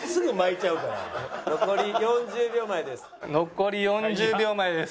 残り４０秒前です。